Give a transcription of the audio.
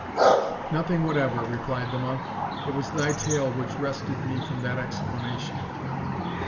"Nothing whatever," replied the monk; "it was thy tale which wrested from me that exclamation."